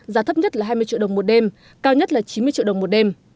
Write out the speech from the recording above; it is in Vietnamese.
giá thấp nhất là hai mươi triệu đồng một đêm cao nhất là chín mươi triệu đồng một đêm